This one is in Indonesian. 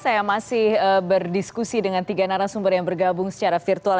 saya masih berdiskusi dengan tiga narasumber yang bergabung secara virtual